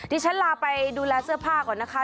ที่ฉันลาไปดูแลเสื้อผ้าก่อนนะคะ